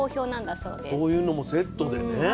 そういうのもセットでね。